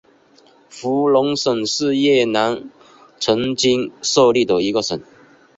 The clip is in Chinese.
福隆省是越南曾经设立的一个省。